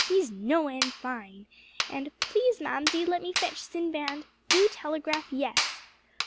He's no end fine!" and, "Please, Mamsie, let me fetch Sinbad! Do telegraph 'Yes.'"